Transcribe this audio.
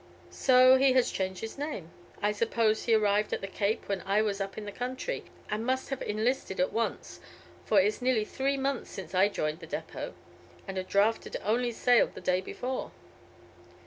So he has changed his name. I suppose he arrived at the Cape when I was up the country, and must have enlisted at once, for it's nearly three months since I joined the depôt, and a draft had only sailed the day before.